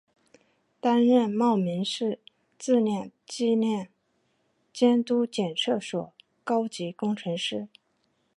担任茂名市质量计量监督检测所高级工程师。